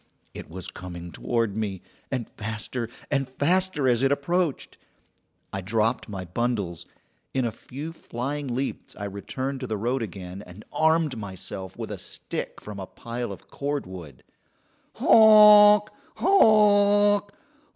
It was coming toward me, and faster and faster as it approached. I dropped my bundles. In a few flying leaps I returned to the road again, and armed myself with a stick from a pile of cordwood. "Honk! honk!